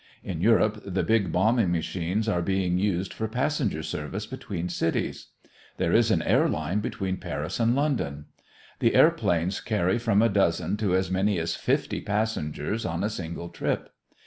In Europe the big bombing machines are being used for passenger service between cities. There is an air line between Paris and London. The airplanes carry from a dozen to as many as fifty passengers on a single trip.